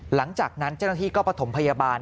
หลังจากนั้นเจ้าหน้าที่ก็ประถมพยาบาล